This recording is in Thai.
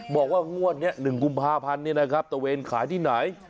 บอกว่างวดนี้๑กุมภาพันธ์ตะเวนขายที่ไหน